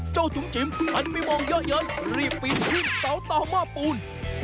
จุ๋มจิ๋มหันไปมองเยอะรีบปีนขึ้นเสาต่อหม้อปูน